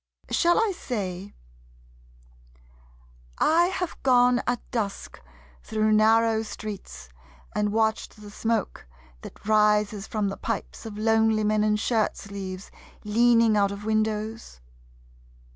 ......... Shall I say, I have gone at dusk through narrow streets And watched the smoke that rises from the pipes Of lonely men in shirt sleeves, leaning out of windows?